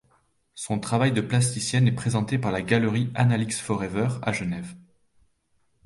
Son travail de plasticienne est présenté par la Galerie Analix-Forever, à Genève.